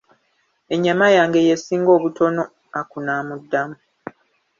Ennyama yange y'esinga obutono, Aku n'amudamu.